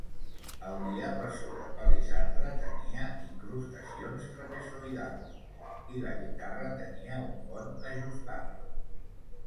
El diapasó de palissandre tenia incrustacions trapezoïdals, i la guitarra tenia un pont ajustable.